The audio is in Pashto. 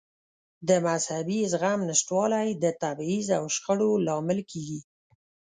د مذهبي زغم نشتوالی د تبعیض او شخړو لامل کېږي.